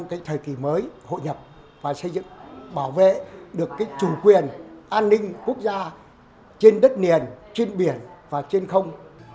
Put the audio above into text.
cái thời kỳ mới hội nhập và xây dựng bảo vệ được cái chủ quyền an ninh quốc gia trên đất nền trên biển và trên không